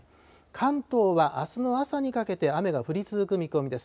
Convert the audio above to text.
関東は、あすの朝にかけて雨が降り続く見込みです。